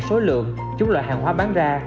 số lượng chúng loại hàng hoa bán ra